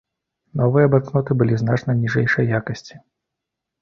Новыя банкноты былі значна ніжэйшай якасці.